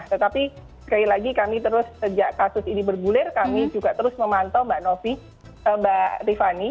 tetapi sekali lagi kami terus sejak kasus ini bergulir kami juga terus memantau mbak novi mbak tiffany